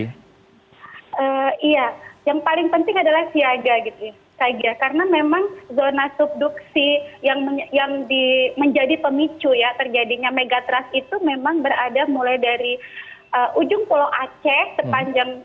iya yang paling penting adalah siaga gitu saja karena memang zona subduksi yang menjadi pemicu ya terjadinya megatrust itu memang berada mulai dari ujung pulau aceh sepanjang